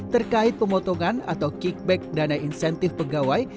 terkait pemotongan atau kickback dana insentif pegawai